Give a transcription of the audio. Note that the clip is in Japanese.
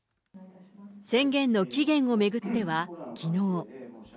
宣言の期限を巡ってはきのう。